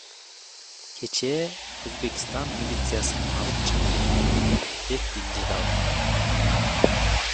Кечээ, Өзбекстан милициясын алып чыгып кетти, — деп билдирди ал.